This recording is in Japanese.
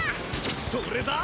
それだあ！